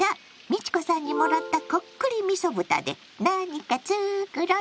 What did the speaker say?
美智子さんにもらった「こっくりみそ豚」で何か作ろっと！